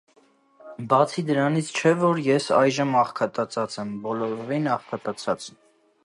Բացի դրանից, չէ՞ որ ես այժմ աղքատացած եմ, բոլորովին աղքատացած: